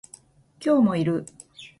今日もいる